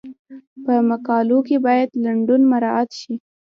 په مقالو کې باید لنډون مراعات شي.